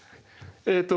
えっと